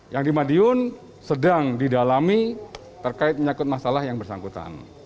yang di madiun sedang didalami terkait menyakut masalah yang bersangkutan